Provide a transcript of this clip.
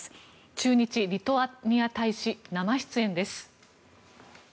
駐日リトアニア大使生出演です。